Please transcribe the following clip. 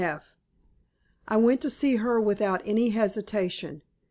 F." I went to see her without any hesitation.